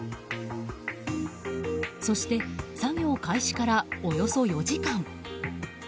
そして作業開始からおよそ４時間。